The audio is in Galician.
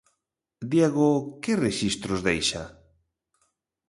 Diego, que rexistros deixa?